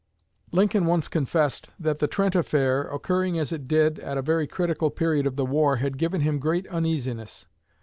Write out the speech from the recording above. Lincoln once confessed that the Trent affair, occurring as it did at a very critical period of the war, had given him great uneasiness.